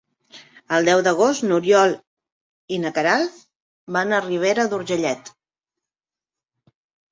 El deu d'agost n'Oriol i na Queralt van a Ribera d'Urgellet.